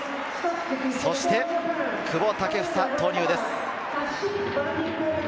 そして、久保建英、投入です。